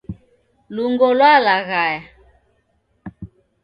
Lungo lwalaghaya